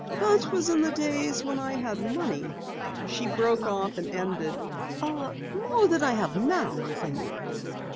"That was in the days when I had money " she broke off and ended "more than I have now, I mean."